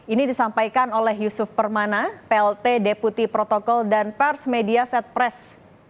ini disampaikan oleh yusuf permana plt deputi protokol dan pers media set press